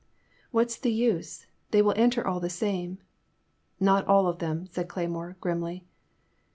''What is the use? They will enter all the same.'* Not all of them,*' said Cle3rmore, grimly.